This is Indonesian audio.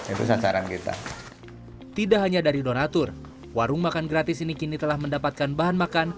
itu sasaran kita tidak hanya dari donatur warung makan gratis ini kini telah mendapatkan bahan makan